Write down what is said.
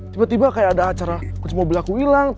tiba tiba kayak ada acara mobil aku hilang